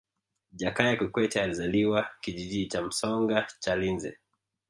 jakaya kikwete alizaliwa kijiji cha msoga chalinze